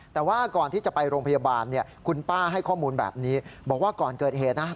แต่ว่าก่อนที่จะไปโรงพยาบาลเนี่ยคุณป้าให้ข้อมูลแบบนี้บอกว่าก่อนเกิดเหตุนะ